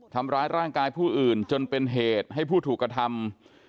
ทำร้ายร่างกายผู้อื่นจนเป็นเหตุให้ผู้ถูกกระทำ